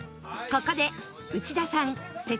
ここで内田さん